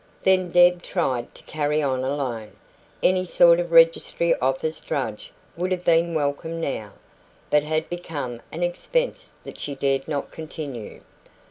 Then Deb tried to carry on alone. Any sort of registry office drudge would have been welcome now, but had become an expense that she dared not continue.